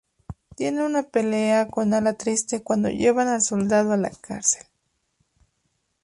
Tiene una pelea con Alatriste cuando llevan al soldado a la cárcel.